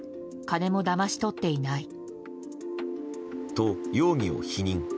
と、容疑を否認。